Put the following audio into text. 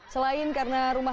selain karena rumah